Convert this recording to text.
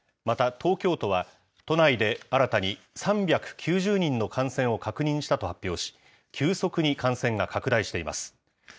また、東京都は都内で新たに３９０人の感染を確認したと発表し、急速に感染が拡大しています。